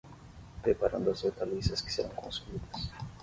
Preparando as hortaliças que serão consumidas